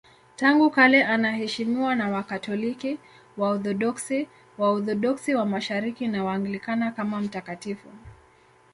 Tangu kale anaheshimiwa na Wakatoliki, Waorthodoksi, Waorthodoksi wa Mashariki na Waanglikana kama mtakatifu.